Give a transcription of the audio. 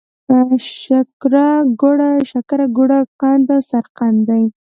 شکره، ګوړه، قند او سرقند دي.